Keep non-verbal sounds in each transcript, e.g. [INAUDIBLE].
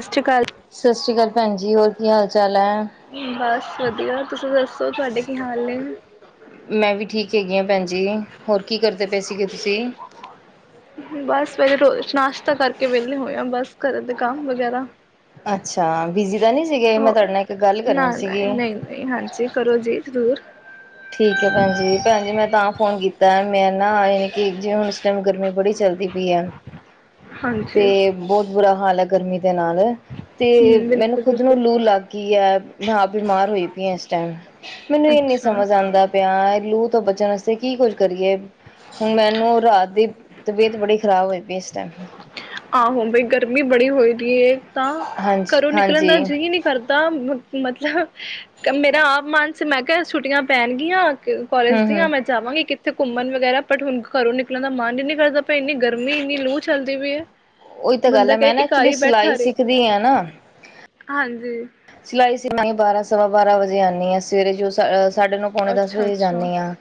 ਸਤਿ ਸ਼੍ਰੀ ਆਕਾਲ ਸਤਿ ਸ਼੍ਰੀ ਅਕਾਲ ਭੈਣ ਜੀ ਹੋਰ ਕੀ ਹਾਲ ਚਾਲ ਹੈ? ਬਸ ਵਧੀਆ, ਤੁਸੀਂ ਦੱਸੋ, ਤੁਹਾਡੇ ਕੀ ਹਾਲ ਨੇ? ਮੈਂ ਵੀ ਠੀਕ ਹੈਗੀ ਹਾਂ ਭੈਣ ਜੀ। ਹੋਰ ਕੀ ਕਰਦੇ ਪਏ ਸੀਗੇ ਤੁਸੀਂ? ਬਸ [UNINTELLIGIBLE] ਤਾਂ ਕਰਕੇ ਵਿਹਲੇ ਹੋਏ ਆ ਬਸ। ਕਰਾ ਦੇ ਕੰਮ ਵਗੈਰਾ ਅੱਛਾ, ਬਿਜੀ ਤਾਂ ਨੀ ਸੀਗੇ, ਮੈਂ ਹੋ ਤੁਹਾਡੇ ਨਾਲ ਇੱਕ ਗੱਲ ਨਾ ਕਰਨੀ ਨਾ ਸੀਗੀ। ਨਹੀਂ ਨਹੀਂ ਹਾਂਜੀ ਕਰੋ ਜੀ ਜ਼ਰੂਰ ਠੀਕ ਹੈ ਭੈਣ ਜੀ। ਭੈਣ ਜੀ, ਮੈਂ ਤਾਂ ਫੋਨ ਕੀ ਤਾਂ ਮੈਂ ਨਾ, ਏ ਕਿ ਜੇ ਹੁਣ ਇਸ ਟਾਈਮ ਗਰਮੀ ਬੜੀ ਚੱਲਦੀ ਪੀ ਐ। ਹਾਂਜੀ ਤੇ ਬਹੁਤ ਬੁਰਾ ਹਾਲ ਐ ਗਰਮੀ ਦੇ ਨਾਲ ਤੇ ਹੂੰ ਮੈਨੂੰ ਬਿਲਕੁਲ ਖੁਦ ਬਿਲਕੁਲ ਨੂੰ ਲੂ ਲੱਗ ਗੀ ਏ, ਮੈਂ ਆਪ ਬਿਮਾਰ ਹੋਈ ਪਈ ਐ ਇਸ ਟੈਮ। ਮੈਨੂੰ ਇਹ ਨੀ ਅੱਛਾ ਸਮਝ ਆਉਂਦਾ ਪਿਆ ਲੂ ਤੋਂ ਬਚਣ ਅ ਕੀ ਕੁੱਝ ਕਰੀਏ? ਹੁਣ ਮੈਨੂੰ ਰਾਤ ਦੀ ਤਬੀਅਤ ਬੜੀ ਖ਼ਰਾਬ ਹੋਈ ਪ ਆਹੋ, ਬਈ ਗਰਮੀ ਬੜੀ ਹੋਈ ਦੀ ਏ, ਤਾਂ ਹਾਂਜੀ ਘਰੋਂ ਨਿਕਲਣ ਦਾ ਹਾਂਜੀ ਜੀ ਨਹੀਂ ਕਰਦਾ। ਮਤਲ ਲਵ, ਮੇਰਾ ਆਪ ਮਨ ਸੀ, ਮੈਂ ਕਿਹਾ ਛੁੱਟੀਆਂ ਪੈਣਗੀਆਂ ਹੂੰ ਕੋਲੇਜ ਹੂੰ ਦੀਆ, ਮੈਂ ਜਾਵਾਂਗੀ ਕਿਥ ਇੱਥੇ ਘੁੰਮਣ ਵਗੈਰਾ, ਬਟ ਹੁਣ ਘਰੋਂ ਨਿਕਣ ਦਾ ਮਨ ਹੀ ਨੀ ਕਰਦਾ ਪਿਆ। ਇੰਨੀ ਗਰਮੀ ਇੰਨੀ ਲੂ ਚੱਲਦੀ ਪੀ ਏ। ਉਹੀ ਤਾਂ ਗੱਲ ਬੰਦਾ ਹੈ। ਕਹੇ ਮੈਂ ਨਾ ਕਿ ਘਰ ਐਕਚੁਲੀ ਹੀ ਬੈਠਾ ਸਿਲਾਈ ਰਹੇ ਸਿੱਖਦੀ ਆ ਨਾ ਹਾਂਜੀ। ਸਿਲਾਈ ਸ਼ਿਖਣ ਸਮਾਂ ਬਾਰਾਂ ਸ ਸਵਾ ਬਾਰਾਂ ਵਜੇ ਆਉਂਦੀ ਹਾਂ। ਸਵੇਰੇ ਜੋ ਸਾਡੇ ਨੂੰ ਪੌਣੇ ਦਸ ਅੱਛਾ ਵਜੇ ਜਾਂਦਇ ਅੱਛਾ ਹਾਂ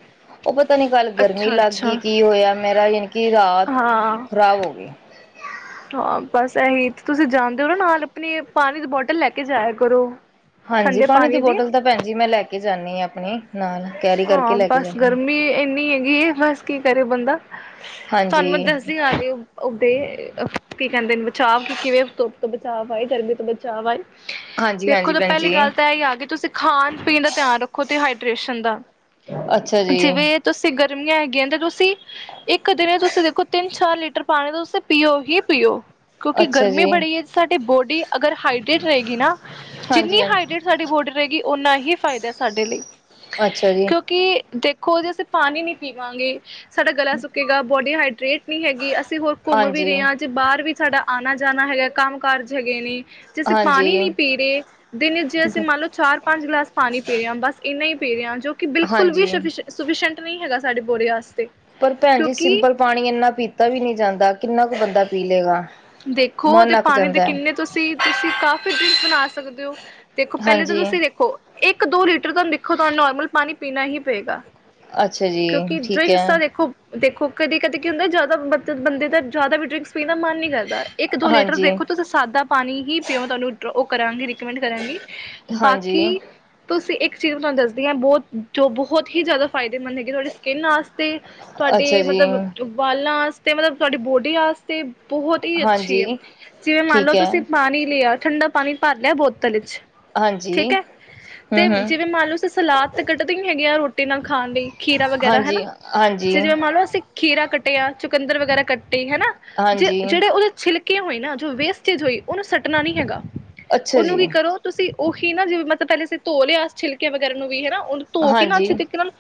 ਉਹ ਪਤਾ ਨੀ ਕੱਲ ਗਰਮੀ ਲੱਗ ਗਈ। ਕੀ ਹੋਇਆ? ਮੇਰਾ ਕਿ ਰਾਤ ਹਾਂ-ਹਾਂ ਖ਼ਰਾਬ ਹੋ ਗਈ ਬਸ ਏਹੀ। ਤੁਸੀਂ ਜਾਣਦੇ ਹੋ ਨਾ, ਨਾਲ ਆਪਣੇ ਪਾਨੀ ਦੀ ਬੋਟਲ ਲੈ ਕੇ ਜਾਇਆ ਕਰੋ। ਹਾਂਜੀ, ਪਾਣੀ ਦੀ ਬੋਟਲ ਤਾਂ ਭੈਣ ਜੀ, ਮੈਂ ਲੈ ਕੇ ਜਾਨੀ ਆ ਅਪਨੀ ਹਾਂ, ਬਸ ਗਰਮੀ ਏਨੀਂ ਏਗੀਅ। ਬਸ, ਕੀ ਕਰੇ ਬੰਦਾ? ਤੁਹਾਨੂੰ ਮੈਂ ਹਾਂਜੀ ਦੱਸਦੀ ਆਹੀ, ਉੱਡ ਕੀ ਕਹਿੰਦੇ ਨੇ, ਬਚਾਅ ਕੀ ਕਿਵੇਂ ਧੁੱਪ ਤੋਂ ਬਚਾਅਵ ਆਏ? ਗਰਮੀ ਤੋਂ ਬਚਾਅਵ ਆਏ? ਹਾਂਜੀ ਦੇਖੋ, ਹਾਂਜੀ ਤੇ ਭੈਣ ਪਹਿਲੀ ਜੀ ਗੱਲ ਤਾਂ ਇਹ ਹੀ ਆ ਕਿ ਤੁਸੀਂ ਖਾਣ-ਪੀਣ ਦਾ ਧਿਆਨ ਰੱਖੋ। ਤੇ ਹਾਈ ਟ੍ਰਰੇਸ਼ਨ‌ ਦਾ ਅੱਛਾ ਜੀ ਜਿਵੇਂ ਤੁਸੀਂ ਗ ਗਰਮੀਆਂ ਹੈਗੀਆਂ, ਤੇ ਤੁਸੀਂ ਇੱਕ ਦਿਣੇ, ਤੁਸੀਂ ਵੇਖੋ ਤਿੰਨ ਚਾਰ ਲੀਟਰ ਪਾਣੀ ਤੁਸੀਂ ਪੀਓ ਹੀ ਪੀਓ। ਕਉਂਕਿ ਅੱਛਾ ਗਰਮੀ ਜੀ ਬੜੀ ਹੈ। ਸਾਡੀ ਬੋਡੀ ਅਗਰ ਹਾਈਡਰੇਟ ਰਹੇਗੀ ਨਾ, ਹਾਂਜੀ ਹਾਂਜੀ ਜਿੰਨੀ ਹਾਈਡਰੇਟ ਸਾਡੀ ਬੋਡੀ ਰਹੇਗੀ ਓਨਾ ਹੀ ਫਾਇਦਾ ਸਾਡੇ ਲਈ। [INAUDIBLE] ਕਿਉਂਕਿ ਦੇਖ ਕੋ ਜਸੇ ਪਾਨੀ ਨੀ ਪੀਵਾਂਗੇ ਸਾਡਾ ਗਲਾ ਸੁੱਕੇਗਾ। ਬੋਡੀ ਹਾਈ ਰੇਟ ਨੀ ਹੈਗੀ। ਅਸੀਂ ਹੋਰ ਘੁੰਮ ਵੀ ਹਾਂਜੀ ਰੇਆ, ਜੇ ਬਾਹਰ ਵੀ ਸਾਡਾ ਆਨਾ-ਜਾਨਾ ਹੈਗਾ। ਕੰਮ-ਕਾਰਜ ਹੈਗੇ ਨੇ ਜੇ ਅਸੀਂ ਪਾਨੀ ਨੀ ਹਾਂਜੀ ਪੀ ਰੇ। ਦਿਨ ਚ ਅਸੀਂ ਮੰਨ ਲਓ, ਚਾਰ ਪੰਜ ਗਲਾਸ ਪਾਨੀ ਪੀ ਰਹੇ ਹਾਂ। ਬਸ, ਇੰਨਾ ਹੀ ਪੇਰਿਆਂ ਜੋ ਬਿਲਕੁਲ ਵੀ ਹਾਂਜੀ ਸਫੀਸ਼ੈਂਟ ਨਹੀਂ ਹੈਗਾ। ਸਾਡੀ ਬੋਡੀ ਵਾਸ ਪਰ ਭੈਣ ਜੀ, ਸਿੰਪਲ ਪਾਨੀ ਇੰਨਾ ਪੀਤਾ ਵੀ ਨੀ ਜਾਂਦਾ। ਕਿੰਨਾ ਕੁ ਬੰਦਾ ਪੀ ਲੇਗਾ? ਦੇਖੋ, ਅਤੇ ਪਾਣੀ ਦੇ ਕਿੰਨੇ ਤੁਸੀਂ ਕਾਫੀ ਡ੍ਰਿਂਕ ਬਨਾ ਸਕਦੇ ਹੋ। ਦੇਖੋ, ਪਹਿਲੇ ਤਾਂ ਹਾਂਜੀ ਤੁਸੀਂ ਵੇਖੋ ਇੱਕ ਦੋ ਲੀਟਰ ਤੁਹਾਨੂੰ ਦੇਖੋ, ਤੁਹਾਨੂੰ ਨੋਰਮਲ ਪਾਣੀ ਹੀ ਪਏਗਾ। ਅੱਛਾ ਜੀ, ਕਿਉਂਕਿ ਠੀਕ ਡਰਿੰਕਸ ਤਾਂ ਹੈ। ਦੇਖੋ ਦੇਖੋ, ਕਦੇ ਕਦੇ ਕੀ ਹੁੰਦਾ? ਜ਼ਿਆਦਾ ਬੰਦੇ ਦਾ, ਜ਼ਿਆਦਾ ਵੀ ਡਰਿੰਕਸ ਪੀ ਦਾ ਮਨ ਨੀ ਕਰ ਇੱਕ ਦੋ ਲੀਟਰ, ਹਾਂਜੀ ਵੇਖੋ, ਤੁਸੀਂ ਸਾਦਾ ਪਾਣੀ ਹੀ ਪੀਓ। ਤੁਹਾਨੂੰ ਉਹ ਕਰਾਂਗੀ, ਰਿਕਮੈਂਡ ਕਰਾਂਗੀ। ਹਾਂਜੀ ਬਾਕੀ ਤੁਸੀਂ ਇੱਕ ਚੀਜ਼ ਤੁਹਾਨੂੰ ਦੱਸਦੀ ਹਾਂ। ਬੋਤ, ਜੋ ਬੋਹਤ ਹੀ ਜ਼ਆਦਾ ਫਾਇ ਇਹ ਮੰਨੋ ਹੈ ਕਿ ਤੁਹਾਡੇ ਸਕਿੰਨ ਆਸਤੇ, ਤੁਹਾਡੇ ਅੱਛਾ ਜੀ ਮਤਲਬ ਜੋ ਵਾਲਾਂ ਅਸਤ ਤੇ ਮਤਲਬ ਤੁਹਾਡੀ ਬੋਡੀ ਆਸਤੇ ਬਹੁ ਅੱਛੀ ਹੈ, ਹਾਂਜੀ ਜਿਵੇਂ ਮੰਨ ਲਓ ਠੀਕ ਹੈ ਤੁਸੀਂ ਪਾਨੀ ਲੇਆ ਠੰਡਾ ਪਾਨੀ ਭਰ ਲੇਆ, ਬੋਤਲ ਇਚ ਹਾਂਜੀ ਠੀਕ ਹੈ, ਹੂੰ ਤੇ ਹੂੰ ਜਿਵੇਂ ਮੰਨ ਲਓ ਸਲਾਦ ਤੇ ਕੱਟਦੇ ਹੈਗੇ ਆ ਰੋਟੀ ਵਾਸਤੇ, ਰੋਟੀ ਨਾ ਖਾਣ ਲਈ। ਖੀਰਾ ਵਗੈਰਾ ਹਨਾ, ਹਾਂਜੀ ਹਾਂਜੀ ਜਿਵੇਂ ਮੰਨ ਲਓ ਅਸੀਂ- ਖੀਰਾ ਕੱਟਿਆ, ਚੁਕੰਦਰ ਵਗੈਰਾ ਕੱਟ- ਕੇ ਹਨਾ ਜੇ- ਹਾਂਜੀ ਜਿਹੜੇ ਉਹਦੇ ਛਿਲਕੇ ਹੋਏ ਨਾ, ਜੋ ਵੇਸਟ ਚੀਜ਼ ਹੋਈ, ਉਹਨੂੰ ਸੁੱਟਣਾ ਨਹੀਂ ਹੈਗਾ। ਅੱਛਾ ਉਹਨੂੰ ਜੀ ਕੀ ਕਰੋ ਤੁਸੀਂ- ਉਹੀ ਨਾ ਜਿਵੇਂ ਮਤਲਬ ਪਹਿਲੇ ਅਸੀਂ ਧੋ ਲਿਆ ਛਿਲਕੇ ਵਗੈਰਾ ਨੂੰ ਵੀ ਹਨਾ। ਉਹਨੂੰ ਧੋ ਕੇ ਨਾ ਹਾਂਜੀ ਅੱਛੇ ਤਰੀਕੇ ਨਾਲ,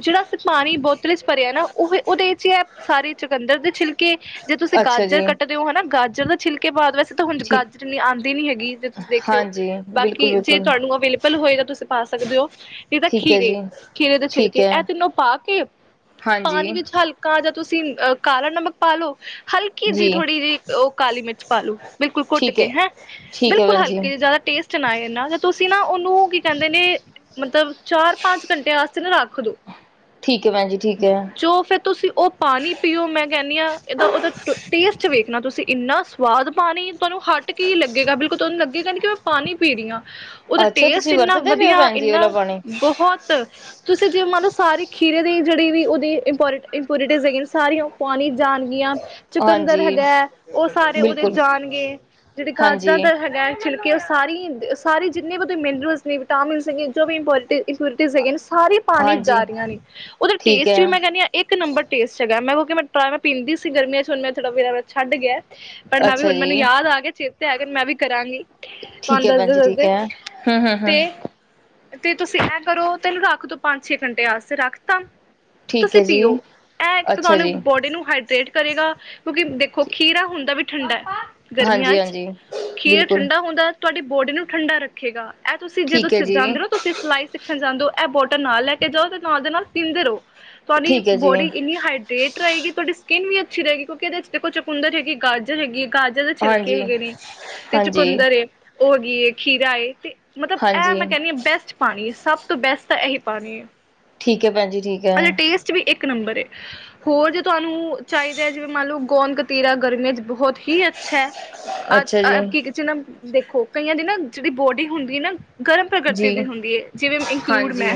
ਜਿਹੜਾ ਅਸੀਂ ਪਾਣੀ ਬੋਤਲ ਵਿੱਚ ਭਰਿਆ ਨਾ, ਉਹ ਉਹਦੇ ਵਿੱਚ ਇਹ ਸਾਰੇ ਚਕੰਦਰ ਦੇ ਛਿਲਕੇ, ਜੇ ਤੁਸੀਂ ਅੱਛਾ ਜੀ ਗਾਜਰ ਕੱਟੀ ਹਨਾ ਗਾਜਰ ਦਾ ਛਿਲਕੇ, ਬਾਅਦ ਵਿੱਚ ਤਾਂ ਹੁਣ ਠੀਕ ਗਾਜਰ ਇੰਨੀ ਆਉਂਦੀ ਨੀ ਹੈਗੀ ਜੇ, ਤੁਸੀਂ ਦੇਖਿਓ ਹਾਂਜੀ ਬਿਲਕੁਲ ਬਾਕੀ ਜੇ ਬਿਲਕੁਲ ਤੁਹਾਨੂੰ ਅਵੇਲੇਬਲ ਹੋਏਗਾ ਤੁਸੀਂ ਪਾ ਸਕਦੇ ਹੋ। ਇਹ ਤਾਂ ਠੀਕ ਹੈ ਜੀ ਖੀਰੇ-ਖੀਰੇ ਦੇ ਠੀਕ ਛਿਲਕੇ ਹੈ ਇਹ ਤਿੰਨੋ ਪਾ ਕੇ ਹਾਂਜੀ ਪਾਣੀ ਵਿੱਚ ਹਲਕਾ ਜਿਹਾ- ਤੁਸੀਂ ਕਾਲਾ ਨਮਕ ਪਾ ਲਉ। ਹਲਕੀ ਜੀ ਜਿਹੀ ਉਹ ਕਾਲੀ ਮਿਰਚ ਪਾ ਲੋ ਬਿਲਕੁਲ ਠੀਕ ਕੁੱਟਕੇ ਹੈ, ਹੈਂ, ਠੀਕ ਹੈ ਬਿਲਕੁਲ ਭੈਣ ਜੀ, ਹਲਕੇ ਜਿਆਦਾ ਟੇਸਟ ਨਾ ਆਏ ਐਨਾ, ਤੁਸੀਂ ਨਾ ਉਹਨੂੰ ਕੀ ਕਹਿੰਦੇ ਨੇ, ਮਤਲਬ ਚਾਰ-ਪੰਜ ਘੰਟੇ ਵਾਸਤੇ ਨਾ ਰੱਖ ਦੋ। ਠੀਕ। ਠੀਕ ਹੈ ਭੈਣ ਜੀ, ਠੀਕ ਹੈ। ਜੋ ਫਿਰ ਤੁਸੀਂ ਉਹ ਪਾਣੀ ਪੀਓ। ਮੈਂ ਕਹਿੰਦੀ ਹਾਂ, ਇਹਦਾ ਉਹਦਾ ਟੇਸਟ ਵੇਖਣਾ ਤੁਸੀਂ। ਇੰਨਾ ਸਵਾਦ ਪਾਣੀ, ਤੁਹਾਨੂੰ ਹਟ ਕੇ ਹੀ ਲੱਗੇਗਾ, ਬਿਲਕੁਲ। ਤੁਹਾਨੂੰ ਲੱਗੇਗਾ ਨਹੀਂ ਕਿ ਮੈਂ ਪਾਣੀ ਪੀ ਰਹੀ ਹਾਂ। ਉਹਦਾ ਅੱਛਾ ਟੇਸਟ ਤੁਸੀਂ ਇੰਨਾ ਵਰਤਦੇ ਪਏ ਹੋ ਵਧੀਆ, ਭੈਣ ਜੀ ਇਹ ਵਾਲਾ ਇੰਨਾ ਪਾਣੀ, ਬਹੁਤ, ਤੁਸੀਂ ਜੇ ਮੰਨੋ ਸਾਰੀ ਖੀਰੇ ਦੀ ਜਿਹੜੀ ਵੀ ਉਹਦੀ ਇੰਪੋਰ-ਇੰਪੋਰੀਟਿਸ ਹੈਗੀਆਂ, ਸਾਰੀਆਂ ਉਹ ਪਾਣੀ ਚ ਆ ਜਾਣਗੀਆਂ। ਚੁਕੰਦਰ ਹਾਂਜੀ ਹੈਗਾ, ਉਹ ਸਾਰੇ ਗੁਣ ਬਿਲਕੁਲ। ਜਾਣਗੇ, ਜਿਹੜੇ ਗਾਜਰਾਂ ਹਾਂਜੀ, ਦਾ ਹੈਗਾ ਛਿਲਕੇ- ਸਾਰੀ ਸਾਰੇ ਜਿੰਨੇ ਵੀ ਓਹਦੇ ਚ ਮਿਨਰਲਸ ਨੇ, ਵਿਟਾਮਿਨਸ, ਜੋ ਵੀ ਇੰਪੋ-ਇੰਪਿਓਰਟੀਜ਼ ਹੈਗੀਆਂ, ਸ ਸਾਰੀ ਪਾਣੀ ਚ ਹਾਂਜੀ ਜਾ ਰਹੀਆਂ ਨੇ। ਉਧਰ ਠੀਕ ਹੈ। ਜਿਵੇਂ ਮੈਂ ਕਹਿੰਦੀ ਹਾਂ ਇੱਕ ਨੰਬਰ ਟੇਸਟ ਹੈਗਾ, ਮੈਂ ਕਿਉਂਕਿ ਮੈਂ ਪੀਦੀ ਸੀ ਗਰਮੀਆਂ ਚ ਹੁਣ ਥੋੜਾ ਵਕਤ ਹੋਇਆ ਛੱਡ ਗਿਆ। ਪਰ ਮੈਂ ਵੀ ਅੱਛਾ ਹੁਣ ਜੀ, ਮੈਨੂੰ ਯਾਦ ਆ ਗਿਆ ਚਿਰ ਤੇ ਹੈਗ ਮੈਂ ਵੀ ਕਰਾਂਗੀ ਠੀਕ ਤੁਹਾਨੂੰ ਹੈ ਭੈਣ ਦੱਸਦੇ ਜੀ ਠੀਕ ਦੱਸਦੇ ਹੈ ਹਮ-ਹਮ ਹ ਤੇ ਤੇ ਤੁਸੀਂ ਇਹ ਕਰੋ ਤੈਨੂੰ ਰੱਖ ਦੋ ਪੰਜ ਛੇ ਘੰਟੇ ਵਾਸਤੇ ਰੱਖਤਾ ਠੀਕ ਤੁਸੀਂ ਹੈ ਜੀ, ਪੀਓ ਇਹ ਅੱਛਾ ਤੁਹਾਨੂੰ ਜੀ, ਬੋਡੀ ਨੂੰ ਹਾਈਡਰੇਟ ਕਰੇਗਾ ਕਿਉਂਕਿ ਦੇ ਔ ਖੀਰਾ ਹੁੰਦਾ ਵੀ ਠੰਡਾ ਗਰਮੀਆਂ ਹਾਂਜੀ, ਚ ਹਾਂਜੀ ਖੀਰਾ ਬਿਲਕੁਲ। ਠੰਡਾ ਹੁੰਦਾ ਤੁਹਾਡੀ ਬੋਡੀ ਨੂੰ ਠੰਡਾ ਰੱਖੇਗਾ। ਇਹ ਤੁਸੀਂ ਜੇ ਤੁਂ ਠੀਕ ਹੈ ਜੀ, ਜਾਂਦੇ ਹੋੋ ਤੁਸੀਂ ਸਿਲਾਈ ਖਣ ਜਾਂਦੋ ਇਹ ਬੋਟਲ ਨਾਲ ਲੈ ਕੇ ਜਾਓ ਤੇ ਨਾਲ ਦੇ ਨਾਲ ਪੀਂਦੇ ਰਹੋ ਤੁਹਾਡੀ ਠੀਕ ਹੈ ਜੀ, ਬੋਡੀ ਇੰਨੀ ਹਾਈਡਰੇੇਟ ਰਹੇਗੀ ਤੁਹਾਡੀ ਸਕਿਨ ਵੀ ਅਛੀ ਰਹੇਗੀ ਕਿਉਂਕਿ ਇਹਦੇ ਚ ਦੇਖੋ ਚਕੁੰਦਰ ਹੈਗੀ ਗਾਜਰ ਹੈਗੀ ਗਾਜਰ ਦੇ ਛਿਲਕੇ ਹਾਂਜੀ, ਹੈਗੇ ਨੇ ਤੇ ਹਾਂਜੀ। ਚਕੁੰਦਰ ਏ ਉਹ ਖੀਰਾ ਏ ਤੇ ਮਤਲਬ ਇਹ ਹਾਂਜੀ, ਮੈਂ ਕਹਣੀ ਹਾਂ ਬੈਸਟ ਪਾਣੀ ਸਭ ਤੋਂ ਬੈਸਟ ਤਾਂ ਇਹੀ ਪਾਣੀ ਹੈ ਠੀਕ। ਠੀਕ ਹੈ ਪੈਣ ਜੀ ਠੀਕ ਹੈ। ਇਕ ਨੰਬਰ ਏ ਹੋਰ ਜੇ ਤੁਹਾਨੂੰ ਚਾਹੀਦਾ ਹੈ ਜਿਵੇਂ ਮੰਨ ਲਓ ਗੋਦਂ ਕਤੀਰਾ ਗਰਮੀਆਂ ਚ ਬਹੁਤ ਹੀ ਅੱਛਾ। ਅੱਛਾ ਜੀ, ਅ ਕੀ ਕ ਨਾ ਦੇਖੋ ਕਈਆਂ ਦੇ ਨਾ ਜਿਹੜੀ ਬੋਡੀ ਹੁੰਦੀ ਨਾ ਗਰਮ ਪ੍ਰਕ੍ਰਿਤੀ ਜੀ, ਦੀ ਹੁੰਦੀ ਹੈ ਜਿਵੇਂ ਇਨਕਲੂਡ ਹਾਂਜੀ। ਮੈਂ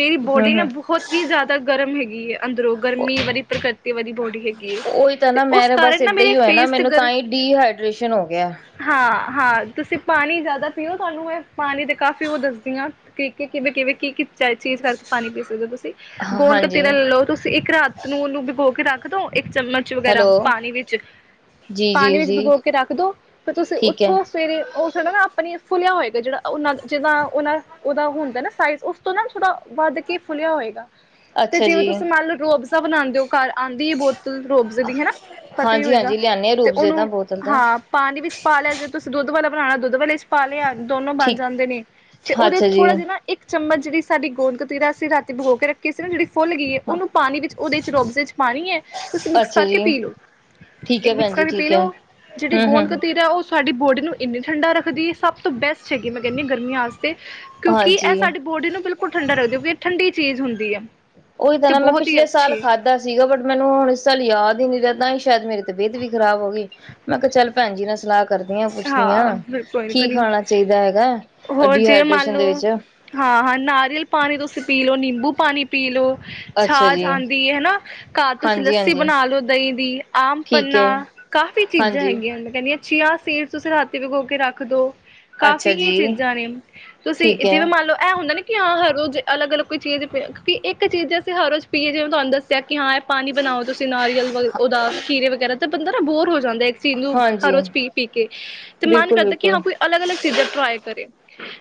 ਮੇਰੀ ਹੂੰ, ਬੋਡੀ ਨਾ ਬਹੁਤ ਦਾ ਗਰਮ ਹੈਗੀ ਹੈ। ਅੰਦਰੋਂ ਹੂੰ ਗਰਮੀ ਵਾਰੀ ਪ੍ਰਾਕ੍ਰਿਤ ਵਾਲੀ ਬੋਡੀ ਹੈਗੀ ਹੈ। ਉਹੀ ਤਾਂ ਤੇ ਨਾ ਉਸ ਮੈਂ ਬਸ ਕਾਰਨ ਨਾ ਏਦਾਂ ਮੇਰੇ ਹੀ ਹੋਇਆ ਨਾ ਫੇਸ ਤੇ ਮੈਨੂੰ ਗਰ ਤਾਂ ਹੀ ਡੀਹਾਈਡ੍ਰੇਸ਼ਨ ਹੋ ਗਿਆ ਹਾਂ ਹਾਂ ਤੁਸੀਂ ਪਾਣੀ ਜ਼ਿਆਦਾ ਪੀਓ ਤੁਹਾਨੂੰ ਮੈਂ ਪਾਣੀ ਤਾਂ ਕਾਫੀ ਉਹ ਦੱਸਦੀ ਹਾਂ ਕਿਰੀਕੇ ਕਿਵੇਂ-ਕਿਵੇਂ ਕੀ-ਕੀ ਚ ਚੀਜ਼ ਕਰਕੇ ਪਾਣੀ ਪੀ ਸਕਦੇ ਹੋ ਤੁਸੀਂ ਗੋਦ ਹਾਂਜੀ ਕਤੀਰਾ ਲੈ ਲਓ ਤੁਸੀਂ ਇੱਕ ਰਾਤ ਨੂੰ ਉਹਨੂੰ ਭਿਗੋ ਕੇ ਰਾਤ [UNINTELLIGIBLE] ਇੱਕ ਚਮਚ ਵਗੈਰਾ ਹੈਲੋ ਪਾਣੀ ਵਿੱਚ ਜੀ ਪਾਣੀ ਜੀ ਵਿੱਚ ਜੀ ਭਗੋ ਕੇ ਰੱਖ ਦੋ ਫਰ ਤੁਸੀਂ ਠੀਕ ਹੈ। ਉੱਠੋ ਸਵੇਰੇ ਉਹ ਥੋੜਾ ਨਾ ਆਪਣੀ ਫੁੱਲਿਆ ਹੋਏਗਾ ਜਿਹੜਾ ਉਹਨਾਂ ਜਿਦਾਂ ਉਹ ਉਹਦਾ ਹੁੰਦਾ ਨਾ ਸਾਈਜ਼ ਉਸ ਤੋਂ ਨਾ ਥੋੜਾ ਵੱਧ ਕੇ ਫੁੱਲਿਆ ਹੋਏਗਾ। ਤੇ ਅੱਛਾ ਜਿਵੇਂ ਜੀ ਤੁਸੀਂ ਮੰਨ ਲਓ ਰੋਹਬਜ਼ਾ ਬਣਾਉਂਦੇ ਹੋ ਘਰ ਆਉਂਦੀ ਹੈ ਬੋਤਲ ਰੋਬਜ਼ੇ ਦੀ ਹਨਾ ਪਤਾ ਹੀ ਹਾਂਜੀ ਹੋਏਗਾ ਹਾਂਜੀ ਲਿਆਨੇ ਆ ਤੇ ਰੂਬਜ਼ੇ ਦਾ ਉਹਨੂੰ ਬੋਤਲ ਦਾ ਹਾਂ ਪਾਣੀ ਵਿੱਚ ਪਾ ਲਿਆ ਜੇ ਤੁਸੀਂ ਦੁੱਧ ਵਾਲਾ ਬਣਾ ਦੁੱਧ ਵਾਲੇ ਪਾਾਲਿਆ ਦੋਨੋ ਬਣ ਠੀਕ ਜਾਂਦੇ ਨੇ ਤੇ ਉਹਦੇ ਅੱਛਾ ਜੀ ਥੋੜਾ ਜਿ ਨਾ ਇੱਕ ਚਮਚ ਜਿਹੜੀ ਸਾਡੀ ਗੋਦਕਤੀਰਾ ਅਸੀਂ ਰਾਤੀ ਭਗੋ ਕੇੱਖ ਕਿਸੇ ਨੇ ਜਿੜੀ ਫੁੱਲ ਗਈਏ ਉਹਨੂੰ ਪਾਣੀ ਵਿੱਚ ਉਹਦੇ ਚ ਰੂਅਬਜ਼ੇ ਚ ਪਾਣੀ ਏ ਤੁਸੀਂ ਮਿਕਸ ਅੱਛਾ ਕਰਕੇ ਜੀ ਪੀ ਲਓ ਠੀਕ ਇੱਕ ਹੈ ਮਿਕਸ ਭੈਣ ਜੀ ਕਰਕੇ ਪੀ ਠੀਕ ਹੈ। ਲਓ ਜਿਹੜੀ ਹੂੰ ਗੋਂਦ ਹੂੰ ਕਤੀਰ ਹੈ ਉਹ ਸਾਡੀ ਬੋਡੀ ਨੂੰ ਇੰਨੀ ਠੰਡਾ ਰੱਖਦੀ ਸਭ ਤੋਂ ਬੈਸਟ ਹੈਗੀ ਮੈਂ ਕਹਿੰਦੀ ਹ ਗਰਮੀਆਂ ਆਸ ਕਿਉਂਕਿ ਇਹ ਹਾਂਜੀ ਸਾਡਡੀ ਬੋਡੀ ਨੂੰ ਬਿਲਕੁਲ ਠਡਾ ਰੱਖਦੇਉਂ ਠੰ ਚੀ ਹੁੰਦੀ ਏ ਉਹੀ ਤਾਂ ਨਾ ਮੈਂ ਪਿਛਲੇ ਸਾਲ ਖਾਧਾ ਸੀਗਾ ਬਟ ਮੈਨੂੰ ਹੁਣ ਇਸ ਸਾਲ ਯਾਦ ਹੀ ਨ ਰਹਦਾ ਸ਼ਾਇਦ ਮੇਰੀ ਤਬੀਅਤ ਵੀ ਖਰਾਬ ਹੋ ਗਈ ਮੈਂ ਕਿਹਾ ਚੱਲ ਭੈਣ ਜੀ ਨਾਲ ਸਲਾਹ ਹਾਂ ਬ ਕੋਈ ਕੀ ਨੀ ਖਾਣਾ ਚਾਹੀਦਾ ਕੋ ਹੈਗਾ ਹੋਰ ਜੇ ਮੰਨ ਡੀਹਾਈਡ੍ਰੇਸ਼ਨ ਦੇ ਲਓ ਵਿੱਚ ਹਾਂ ਹਾਂ ਨਾਰੀਅਲ ਪਾਣੀ ਤੁਸੀਂ ਪੀ ਲਓ ਨਿੰਬੂ ਪਾਣੀ ਪੀਲੋ ਅੱਛਾ ਛਾਛ ਜੀ, ਆਉਂਦੀ ਹੈ ਹਨਾ ਘਰ ਤੁਸੀਂ ਲੱਸੀ ਹਾਂਜੀ-ਹਾਂਜੀ ਬਣਾ ਲਓ ਦਹੀਂ ਦੀ ਆਮ ਠੀਕ ਪੰਨਾ ਐ, ਕਾਫ਼ੀ ਚੀਜ਼ਾਂ ਹਾਂਜੀ। ਹੈਗੀਆਂ ਮੈਂ ਕਹਿੰਦੀ ਹਾਂ ਚੀਆ ਸੀਟਸ ਤੁਸੀਂ ਰਾਤੀ ਵਿਗੋ ਕੇ ਰੱਖ ਦੋ ਅੱਛਾ ਕਾਫ਼ੀ ਹੀ ਜੀ, ਚੀਜ਼ਾਂ ਨੇ ਤੁਸੀਂ ਠੀਕ ਐ, ਜਿਵੇਂ ਮੰਨ ਲਓ ਇਹ ਹੁੰਦਾ ਨੀ ਕਿ ਹਾਂ ਹਰ ਰੋਜ਼ ਅਲੱ ਅਲੱਗ ਕੋਈ ਚੀਜ਼ੀ ਕਿਉਕ ਇੱਕ ਚੀਜ਼ ਅਸੀਂ ਹਰ ਰੋਜ਼ ਪੀਏ ਜਿਵੇਂ ਤੁਹਾਨੂੰ ਦੱਸਿਆ ਕਿ ਹਾਂ ਇਹ ਪਾਣੀ ਬਣਾਓ ਤੁਸੀਂ ਨਾਰੀਅਲ ਵ ਉਹਦਾ ਖੀਰੇ ਵਗੈਰਾ ਤੇ ਬੰਦਰ ਨਾ ਬੋਰ ਹੋ ਜਾਂਦਾ ਨੂ ਹਰ ਹਾਂਜੀ। ਰੋਜ਼ ਪੀ ਪੀ ਤੇ ਮਨ ਕਰਦਾ ਕਿ ਬਿਲਕੁਲ-ਬਿਲਕੁਲ, ਹਾਂ ਕੋਈ ਬਿਲਕੁਲ ਅਲੱਗ ਅਲੱਗ ਚੀਜ਼ਾਂ ਟਰਾਈ ਕਰੇ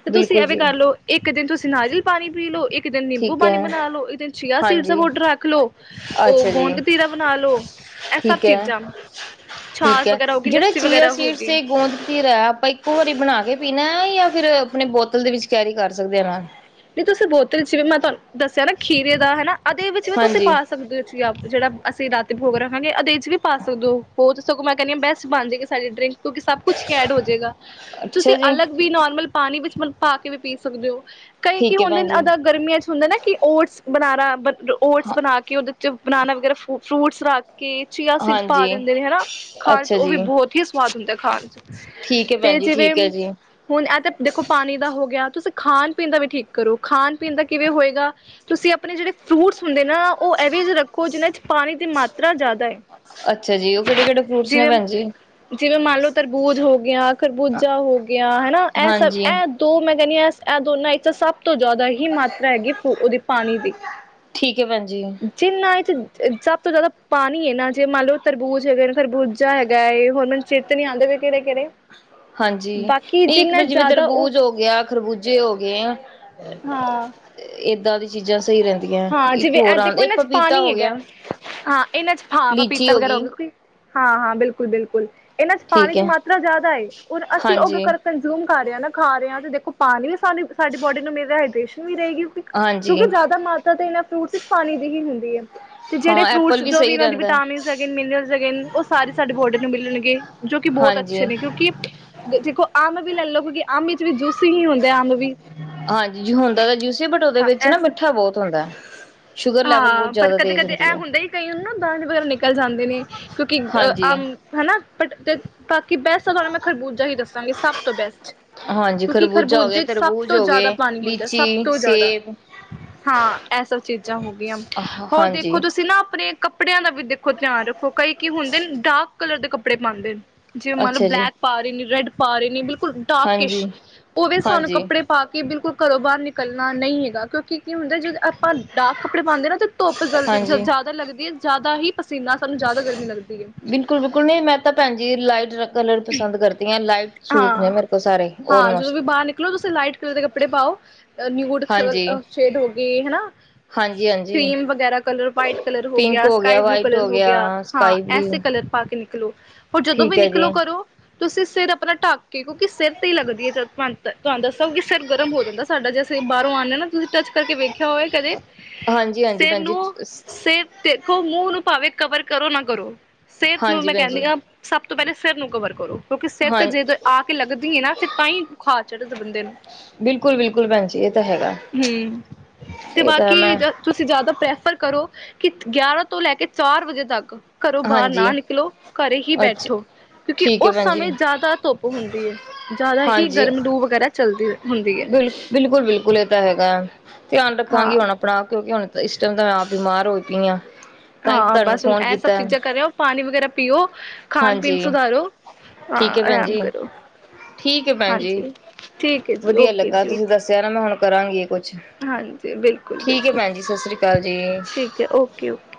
ਤੇ ਤੁਸੀਂ ਬਿਲਕੁਲ ਇਹਵੇ ਜੀ, ਕਰ ਲਓ ਇੱਕ ਇੱਕ ਦਿਨ ਤੁਸੀਂ ਨਾਰੀਅਲ ਪਾਣੀ ਪੀ ਲਓ ਇੱਕ ਕਿਤੇ ਨਿੰਬੂ ਠੀਕ ਪਾਣੀ ਐ, ਬਣਾ ਲਓ ਕਿਤੇ ਚੀਆ ਸੀਡ ਦਾ ਹਾਂਜੀ। ਪਾਊਡਰ ਰੱਖ ਲ ਲੋ ਉਹ ਅੱਛਾ ਜੀ, ਗੋਣ ਕਤੀਰਾ ਬਣਾ ਲਓ ਇਹ ਸਭ ਠੀਕ ਐ, ਚੀਜ਼ਾਂ ਛਾਸ ਵਗੈਰਾ ਹੋਗੀ ਲੱਸੀ ਵਗੈਰਾ ਹੋ ਗਈ ੇ ਗੋਂਦਤੀ ਰਹਿ ਆਪਾਂ ਇੱਕੋ ਵਾਰੀ ਬਣਾ ਕੇ ਪੀ ਜਾਂ ਫਿਰ ਆਪਣੇ ਬੋਤਲ ਦੇ ਵਿੱਚ ਕੈਰੀ ਕਰ ਸਕਦੇ ਆ ਨਾ ਨਹੀਂ ਤੁਸੀਂ ਬੋਤਲ ਜਿਵੇਂ ਮੈਂ ਤੁਹਾਨੂੰ ਦੱਸਿਆ ਨਾ ਖੀਰੇ ਦਾ ਹੇਨਾ ਆਦੇ ਵਿੱਚ ਵੀ ਤੁਸੀਂ ਹਾਂਜੀ, ਪਾ ਸਕਦੇ ਹੋ ਜਿਹੜਾ ਅਸੀਂ ਰਾਤੀ ਭੋਗ ਰੱਖਾਂਗੇ ਅਦੇ 'ਚ ਵੀ ਪਾ ਸਕਦੇ ਹੋਤ ਸਗੋਂ ਮੈਂ ਕਹਿੰਦੀ ਹਾਂ ਬੈਸਟ ਬਣ ਜਾਵੇਗੀ ਸਾਡੇ ਡਰਿੰਕ ਕਿਉਂਕਿ ਸਭ ਕੁਛ ਹੀ ਐਡ ਹੋ ਜਾਵੇਗਾ ਤੁਸੀਂ ਅੱਛਾ ਜੀ, ਅਲੱਗ ਵੀ ਨੋਰਮਲ ਪਾਣੀ ਵਿੱਚ ਮਤਲਬ ਪਾ ਕੇ ਵੀ ਪੀ ਸਕਦੇ ਹੋ ਕਈ ਕੀ ਠੀਕ ਐ ਹੁੰਦੇ ਭੈਣ ਜੀ, ਅ ਗਰਮੀਆਂ ਚ ਹੁੰਦੇ ਨਾ ਕਿ ਓਟਸ ਬਨਾਰਾ ਓਟਸ ਹਾਂ ਬਣਾ ਕੇ ਉਹਦੇ ਚ ਬਣਾਣਾ ਵਗੈਰਾ ਫਰੂਟਸ [INAUDIBLE] ਕੇ ਚੀਆ ਸਧ ਪਾ ਹਾਂਜੀ। ਦਿੰਦੇ ਨੇ ਹਨਾ ਖਾਣ 'ਚ ਅੱਛਾ ਉਹ ਵੀ ਜੀ, ਬਹੁਤ ਹੀ ਸਵਾਦ ਹੁੰਦਾ ਖਾਣ ਚ ਠੀਕ ਐ ਤੇ ਭੈਣ ਜੀ, ਜਿਵੇਂ ਠੀਕ ਐ ਜੀ। ਹੁਣ ਇਹ ਤਾਂ ਦੇਖੋ ਪਾਣੀ ਦਾ ਹੋ ਗਿਆ ਤੁਸੀਂ ਖਾਣ ਪੀਣ ਦਾ ਵੀ ਠੀਕ ਕਰੋ ਖਾਣ ਪੀਣ ਦਾ ਕਿਵੇਂ ਹੋਏਗਾ ਤੁਸੀਂ ਆਪਣੇ ਜਿਹੜੇ ਫਰੂਟਸ ਹੁੰਦੇ ਨਾ ਉਹ ਇਹਵੇ ਰੱਖੋ ਜਿਹਨਾਂ ਚ ਪਾਣੀ ਦੀ ਮਾਤਰਾ ਜ਼ਿਆਦਾ ਹੈ ਅੱਛਾ ਜੀ, ਉਹ ਕਿਹੜੇ-ਕਿਹੜੇ ਫਰੂਟਸ ਨੇ ਜਿਵੇਂ ਭੈਣ ਜੀ? ਜਿਵੇਂ ਮੰਨ ਲਓ ਤਰਬੂਜ ਹੋ ਗਿਆਆਂ ਖਰਬੂਜਾ ਹੋਗ ਗਿਆ ਹਨਾ ਇਹ ਸਭ ਹਾਂਜੀ ਇਹ ਦੋ ਮੈਂ ਕਹਿੰਦੀ ਹਾਂ [INAUDIBLE] ਦੋਨਾਂ ਵਿੱਚ ਤਾਂ ਸਭ ਤੋਂ ਜ਼ਿਆਦਾ ਹੀ ਮਾਤਰਾ ਹੈਗੀ ਫੂ ਉਹਦੀ ਪਾਣੀ ਦੀ ਠੀਕ ਏ ਪੈਣ ਜੀ ਜਿੰਨਾ ਇਹ 'ਚ ਸਭ ਤੋਂ ਜ਼ਿਆਦਾ ਪਾਣੀ ਹੈ ਨਾ ਜੇ ਮੰਨ ਲਓ ਤਰਬੂਜ ਹੈਗਾ ਤਰਬੂਜਾ ਹੈਗਾ ਹੈਰ ਮੈਨ ਚਤ ਨੀ ਆਉਂ ਕਿਹੜੇ ਕਿਹੜੇ ਹਾਂਜੀ ਬਾਕੀ ਨਹੀਂ ਇੱਕ ਜਿੰਨਾ ਤਾਂ ਜਿਵੇਂ ਜ਼ਿਆਦਾ ਉਹ ਤਰਬੂਜ ਹੋ ਗਿਆ ਖਰਬੂਜ ਜੇ ਹੋ ਗਏ ਹਾਂ ਇਏਾਂ ਦੀ ਚੀਜ਼ਾਂ ਸਹੀ ਰਹਿੰਦੀਆਂ ਹਾਂ ਇੱਕ ਜਿਵੇਂ ਹੋਰ ਇਹ ਆਉਂ ਦੇਖੋ ਇੱਕ ਇਹਨਾਂ ਚ ਪਪੀਤਾ ਪਾਣੀ ਹੋ ਹੈਗਾ ਗਿਆ ਹਾਂ ਇਹਨਾਂ ਚ ਹਾਂ ਲੀਚੀ ਪਾਪੀਤਾ ਵਗੈਰਾ ਹੋ ਗਈ ਗਿਆ ਕੋਈ ਹਾਂ-ਹਾਂ ਬਿਲਕੁਲ-ਬਿਲਕੁਲ ਇਹਨਾਂ ਚ ਪਾਣੀ ਠੀਕ ਦੀ ਹੈ ਮਾਤਰਾ ਜ਼ਿਆਦਾ ਏ ਹੁਣ ਅਸੀਂ ਉਹਗੇ ਹਾਂਜੀ ਕਰ ਕੰਜ਼ਿੂਮ ਖਾ ਰਿਹਾ ਨਾ ਖਾ ਰਿਹਾ ਤੇ ਦੇਖੋ ਪਾਣੀ ਸਾਨੂੰ ਸਾਡੀ ਬੋਡੀ ਨੂੰ ਮਿਲ ਰਿਹਾ ਹਾਈਡ੍ਰੇਸ਼ਨ ਵੀ ਰਹੇਗੀ ਹਾਂਜੀ ਕਿਉਂਕਿ ਜ਼ਿਆਦਾ ਮਾਤ ਤੇ ਇਹਨਾਂ ਫਰੂਟਸ ਵਿੱਚ ਪਾਣੀ ਦੀ ਹੀ ਹੁੰਦੀ ਹੈ ਤੇ ਹਾਂ ਜਿਹੜੇ ਐਪਲ ਫਰੂਟਸ ਜੋ ਵੀ ਸਹੀ ਇਹਨਾਂ ਦੀ ਰਹਿੰਦਾ ਵਿਟਾਮਿਨ ਹੈਗੇ ਮਿਨਰ ਹੈਗੇ ਉਹ ਸਾਰੇ ਸਾਡੇ ਬੋਡੀ ਨੂੰ ਮਿਲਣਗੇ ਜੋ ਕਿ ਬਹੁਤ ਅੱਛੇ ਹਾਂਜੀ ਨੇ ਕਿਉਂਕਿੋ ਅੰਬ ਵੀ ਲੈ ਲਓ ਕਿਉਂਕਿ ਅੰਬ ਵਿੱਚ ਵੀ ਜੂਸੀ ਹੀ ਹੁੰਦੇ ਆ ਅੰਬ ਵੀ ਹਾਂਜੀ ਜ ਹੁੰਦਾ ਤਾਂ ਜੂਸੀ ਬਟ ਉਹਦੇ ਹਾਂ ਵਿੱਚ ਇਹ ਨਾ ਸਭ ਮਿੱਠਾ ਬਹੁਤ ਹੁੰਦਾ ਸ਼ੂਗਰ ਲੈਵਲ ਹਾਂ ਬਹੁਤ ਪਰ ਜ਼ਿਆਦਾ ਕਦੇ ਤੇਜ਼ ਕਦੇ ਹੁੰਦੀ ਇਹ ਹੈ ਹੁੰਦਾ ਹੀ ਕਈ ਨਾ ਦਾਂਜ ਵਗੈਰਾ ਨਿਕਲ ਜਾਂਦੇ ਨੇ ਕਿਉਂਕਿ ਅਹ ਹਾਂਜੀ ਆਮ ਹਨਾ ਪਟ ਬਾਕੀ ਬੈਸਟ ਆ ਤੁਹਾਨੂੰ ਮੈਂ ਖਰਬੂਜਾ ਹੀ ਦੱਸਾਂਗੀ ਸਭ ਤੋਂ ਬੈਸਟ ਹਾਂਜੀ ਕਿਉਂਕਿ ਖਰਬੂਜਾ ਹੋ ਗਿਆ ਖਰਬੂਜੇ ਸਭ ਤਰਬੂਜ ਤੋਂ ਹੋ ਜ਼ਿਆਦਾ ਗਏ ਪਾਣੀ ਹੁੰਦਾ ਸਭ ਲੀਚੀ ਤੋਂ ਜ਼ਿਆਦਾ ਸੇਬ ਹਾਂ ਐਸਾ ਚੀਜ਼ ਹੋ ਗ ਹੋਰ ਹਾਂਜੀ ਦੇਖੋ ਤੁਸੀਂ ਨਾ ਆਪਣੇ ਕੱਪੜਿਆਂ ਦਾ ਵੀ ਦੇਖੋ ਧਿਆਨ ਰੱਖੋ ਕਈ ਕੀ ਹੁੰਦੇ ਡਾਕ ਕਲਰ ਦੇ ਕੱਪੜੇ ਪਾਂਦੇ ਨੇ ਜੇ ਮਤਲਬ ਅੱਛਾ ਜੀ ਬਲੈਕ ਪਾ ਰਹੇ ਨੇ ਰੈਡ ਪਾ ਰਹੇ ਨੇ ਬਿਲਕੁਲ ਡਾਕਿਸ਼ ਹਾਂਜੀ ਉਹਵੇ ਵੀ ਸਾਨੂੰ ਹਾਂਜੀ ਕੱਪੜੇ ਪਾ ਕੇ ਬਿਲਕੁਲ ਘਰੋਂ ਬਾਹਰ ਨਿਕਲ ਕਰੱਲਣਾ ਨਹੀਂ ਹੈਗਾ ਕਿਉਂਕਿ ਕੀ ਹੁੰਦਾ ਜ ਆਪਾਂ ਕੱਪੜੇ ਪਾਉਂਦੇ ਨਾ ਤੇ ਧੁੱਪਲਦੀ ਜ਼ਿਆਦਾ ਲੱਗਦੀ ਜ਼ਿਆਦਾ ਹੀ ਪਸੀਨਾ ਸਾਨੂੰ ਜ਼ਿਆਦਾ ਗਰਮੀ ਲੱਗਦੀ ਹੈ ਬਿਲਕੁਲ-ਬਿਲਕੁਲ ਨਹੀਂ ਮੈਂ ਤਾਂ ਭੈਣ ਜੀ ਲਾਈਟ ਕਲਰ ਪਸੰਦ ਕਰਦੀਆਂ ਲਾਈਟ ਸੂਟ ਨੇ ਮੇਰੇ ਕੋਲ ਸਾਰੇ ਹਾਂ-ਹਾਂ ਜਦੋਂ ਓਲਮੋਸਟ ਵੀ ਬਾਹਰ ਨਿਕਲੋ ਤੁਸੀਂ ਲਾਈਟ ਕਲਰ ਦੇ ਕੱਪੜੇ ਪਾਓ ਨਿਊਡ ਸ ਹਾਂਜੀ ਸ਼ੇਡ ਹੋ ਗਈ ਹਨਾ ਹਾਂਜੀ ਹਾਂਜੀ ਕ੍ਰੀਮ ਵਗੈਰਾ ਕਲਰ, ਵਾਈਟ ਕਲਰ ਹੋ ਗਿਆ, ਸਕਾਈ ਬਲੂ ਕਲਰ ਹੋ ਗਿਆ ਹਾਂ ਐਸੇ ਕਲਰ ਪਾ ਕੇ ਨਿਕ ਨਿਕਲੋ ਹ ਜਦੋਂ ਵੀ ਠੀਕ ਹੈ ਜੀ ਨਿਕਲੋ ਘਰੋ ਤੁਸੀਂ ਸਿਰ ਆਪਣਾ ਢੱਕ ਕੇ ਕਿਉਂਕਿ ਸਿਰ ਤੇ ਹੀ ਲੱਗਦੀ ਹੈ ਜ ਤੁਹਾਨੂੰ ਦੱਸੋ ਕਿ ਸਿਰ ਗਰਮ ਹੋ ਜਾਂਦਾ ਸਾਡਾ ਜੇ ਅਸੀਂ ਬਾਹਰੋਂ ਆਉਂਦੇ ਹ ਨਾ ਤੁਸੀਂ ਟੱਚ ਕਰਕੇ ਵੇਖਿਆ ਹੋਵੇ ਕਦੇ ਹਾਂਜੀ ਹਾਂਜੀ ਸੇਰ ਭੈਣ ਜੀ ਨੂੰ ਸੇਰ ਤੇ ਦੇਖੋ ਮੂੰਹ ਨੂੰ ਭਾਵੇਂ ਕਵਰ ਕਰੋ ਨਾ ਕਰੋ ਸਿਹਤ ਨੂੰ ਹਾਂਜੀ ਮੈਂ ਭੈਣ ਜੀ ਕਹਿੰਦੀ ਹਾਂ ਸਭ ਤੋਂ ਪਹਿਲੇ ਸਿਰ ਨੂੰ ਕਵਰ ਕਰੋ। ਹਾਂ ਤੇ ਜਦੋਂ ਆ ਕੇ ਲੱਗਦੀ ਏ ਨਾ ਫਿਰ ਤਾਂ ਹੀ ਬੁਖਾਰ ਚੜ ਬੰਦੇ ਨੂੰ। ਬਿਲਕੁਲ ਬਿਲਕੁਲ ਭੈਣ ਜੀ ਇਹ ਤਾਂ ਹੈਗਾ ਹਮ ਤੇ ਇਹ ਤਾਂ ਬਾਕੀ ਮੈਂ ਤੁਸੀਂ ਜ਼ਿਆਦਾ ਪ੍ਰੈਫਰ ਕਰੋ ਕਿ ਗਿਆਰਾਂ ਤੋਂ ਲੈ ਕੇ ਚਾਰ ਵਜੇ ਤੱਕ ਘਰੋਂ ਬਾਹਰ ਹਾਂਜੀ ਨਾ ਨਿਕਲੋ ਘਰੇ ਹੀ ਅੱਛਾ ਬੈਠੋ ਕਿਉਂਕਿ ਠੀਕ ਹੈ ਉਸ ਭੈਣ ਜੀ ਸਮੇਂ ਜਾਦਾ ਧੁੱਪ ਹੁੰਦੀ ਹੈ, ਜਾਦਾ ਹੀ ਗਰਮ ਲੂ ਵਗੈਰਾ ਚੱਲਦੀ ਹੈ। ਹੁੰਦੀ ਬਿਲੁ ਬਿਲਕੁਲ-ਬਿਲਕੁਲ ਇਹ ਤਾਂ ਹੈਗਾ। ਧਿਆਨ ਰੱਖਾਂਗੀ ਹਾਂ ਹੁਣ ਆਪਣਾ ਕਿਉਂਕਿ ਹੁਣ ਇਸ ਟਾਈਮ ਤਾਂ ਮੈਂ ਆਪ ਬਿਮਾਰ ਹੋ ਪਈ ਆ। ਹਾਂ ਬਸ ਹੁਣ ਇਹ ਸਭ ਚੀਜ਼ਾਂ ਕਰ ਰਹੇ ਹੋ ਪਾਨੀ ਵਗੈਰਾ ਪੀਓ। ਖਾਣ ਪੀਣ ਹਾਂਜੀ ਸੁਧਾਰੋ ਹਾਂ ਠੀਕ ਹੈ ਭੈਣ ਆਰਾਮ ਜੀ, ਕਰੋ ਠੀਕ ਹੈ ਭੈਣ ਜੀ ਹਾਂਜੀ ਠੀਕ ਹੈ ਜੀ ਵਧੀਆ ਓਕੇ ਲੱਗਾ ਜੀ ਤੁਸੀਂ ਦੱਸਿਆ ਨਾ ਮੈਂ ਹੁਣ ਕਰਾਗੀ। ਹਾਂਜੀ ਬਿਲਕੁਲ-ਬਿਲਕੁਲ ਜੀ ਸਤਿ ਸ੍ਰੀ ਅਕਾਲ ਜੀ। ਠੀਕ ਹੈ ਓਕੇ-ਓਕੇ।